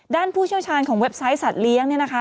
ด้านผู้เชี่ยวชาญของเว็บไซต์สัตว์เลี้ยงนี่นะคะ